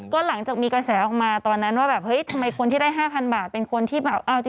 ก็หลังจากมีกระแสออกมาตอนนั้นว่าแบบเฮ้ยทำไมคนที่ได้๕๐๐บาทเป็นคนที่แบบ